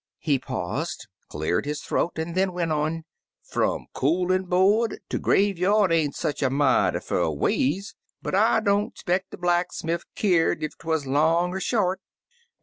He paused, cleared his throat, and then went on: "Fnm coolin* board to graveyard ain't sech a mighty fur ways, but I don't 'speck de blacksmiff keer'd ef 'twuz long er short.